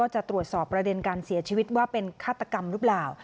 จะตรวจสอบประเด็นการเสียชีวิตว่าเป็นฆาตกรรมหรือเปล่า